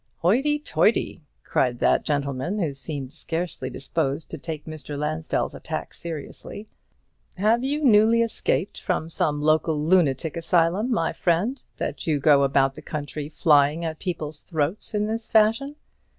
"Hoity toity!" cried that gentleman, who seemed scarcely disposed to take Mr. Lansdell's attack seriously; "have you newly escaped from some local lunatic asylum, my friend, that you go about the country flying at people's throats in this fashion?